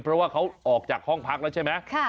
เพราะว่าเขาออกจากห้องพักแล้วใช่ไหม